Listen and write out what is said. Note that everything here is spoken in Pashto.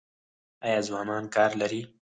آیا ځوانان کار لري؟